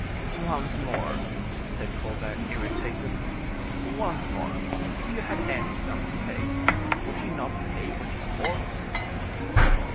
"Once more," said Colbert, irritated—"once more, if you had any sum to pay, would you not pay what you ought?"